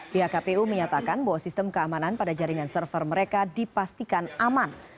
pihak kpu menyatakan bahwa sistem keamanan pada jaringan server mereka dipastikan aman